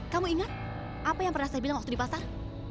kamu ingat apa yang pernah saya bilang waktu di pasar